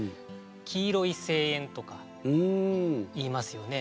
黄色い声援とか言いますよね。